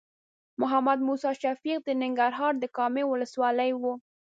محمد موسی شفیق د ننګرهار د کامې ولسوالۍ و.